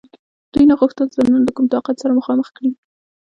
دوی نه غوښتل ځانونه له کوم طاقت سره مخامخ کړي.